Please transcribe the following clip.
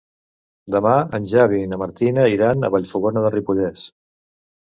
Demà en Xavi i na Martina iran a Vallfogona de Ripollès.